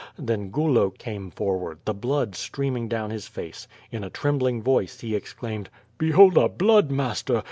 Then Gulo came forward, the blood streaming down his face. In a trembling voice he exclaimed: "Behold our blood, master!